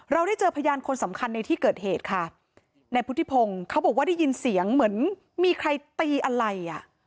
ได้เจอพยานคนสำคัญในที่เกิดเหตุค่ะในพุทธิพงศ์เขาบอกว่าได้ยินเสียงเหมือนมีใครตีอะไรอ่ะ